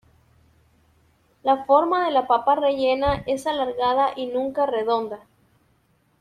La forma de la papa rellena es alargada y nunca redonda.